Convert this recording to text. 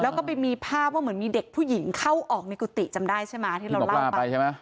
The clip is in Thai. แล้วก็ไปมีภาพว่าเหมือนมีเด็กผู้หญิงเข้าออกในกุฏิจำได้ใช่ไหมที่เราเล่าไปใช่ไหม